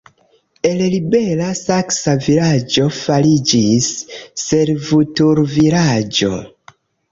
El libera saksa vilaĝo fariĝis servutulvilaĝo.